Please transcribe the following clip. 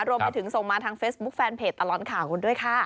รวมไปถึงส่งมาทางเฟซบุ๊คแฟนเพจตลอดข่าวกันด้วยค่ะ